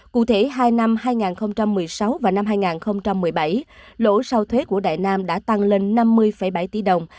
cụ thể hai năm hai nghìn một mươi sáu và năm hai nghìn một mươi bảy lỗ sau thuế của đại nam đã tăng lên năm mươi bảy tỷ đồng